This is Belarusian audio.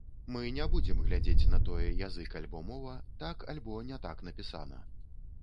Мы не будзем глядзець на тое, язык альбо мова, так альбо не так напісана.